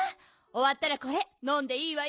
おわったらこれのんでいいわよ。